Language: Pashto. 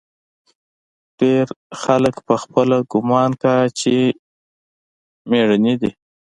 ډېر خلق پخپله ګومان کا چې مېړني دي.